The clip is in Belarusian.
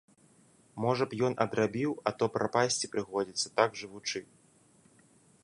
Можа б, ён адрабіў, а то прапасці прыходзіцца, так жывучы.